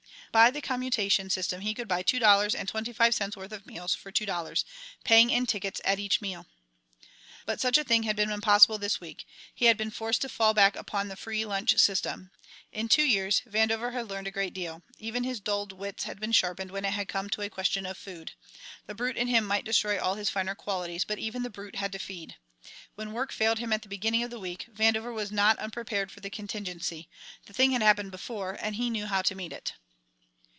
By the commutation system he could buy two dollars and twenty five cents' worth of meals for two dollars, paying in tickets at each meal. But such a thing had been impossible this week. He had been forced to fall back upon the free lunch system. In two years Vandover had learned a great deal; even his dulled wits had been sharpened when it had come to a question of food. The brute in him might destroy all his finer qualities, but even the brute had to feed. When work failed him at the beginning of the week Vandover was not unprepared for the contingency; the thing had happened before and he knew how to meet it.